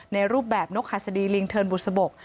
ในรูปแบบนกฮัศดีลิงเทิร์นบุษบก